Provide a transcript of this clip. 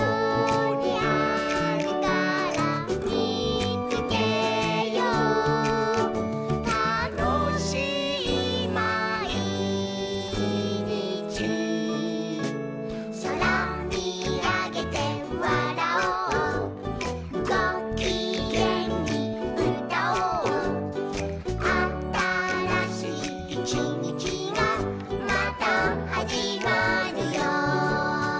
「みつけようたのしいまいにち」「そらみあげてわらおう」「ごきげんにうたおう」「あたらしいいちにちがまたはじまるよ」